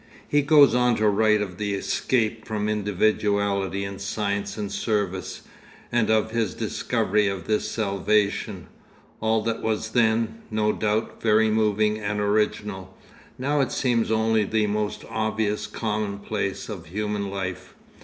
He goes on to write of the escape from individuality in science and service, and of his discovery of this 'salvation.' All that was then, no doubt, very moving and original; now it seems only the most obvious commonplace of human life.